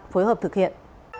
phối hợp thực hiện